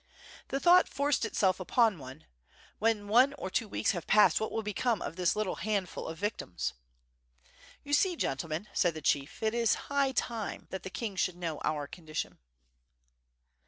The thought forced itself upon one, "when one or two weeks have passed what will become of this little handful of victims?" "You see, gentlemen,'' said the chief, "it is high time that the king should know our condition."